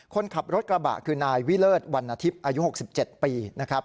คนขับรถกระบะคือนายวิเลิศวรรณทิพย์อายุ๖๗ปีนะครับ